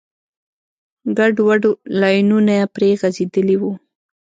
ګډوډ لاینونه پرې غځېدلي وو.